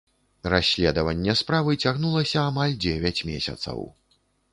Расследаванне справы цягнулася амаль дзевяць месяцаў.